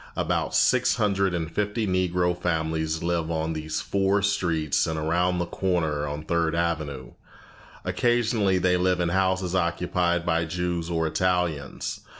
About six hundred and fifty Negro families live on these four streets and around the corner on Third Avenue. Occasionally they live in houses occupied by Jews or Italians.